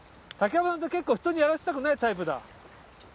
山さんって結構人にやらせたくないタイプだ。